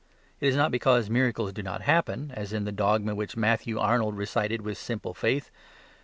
It is not because "miracles do not happen," as in the dogma which Matthew Arnold recited with simple faith.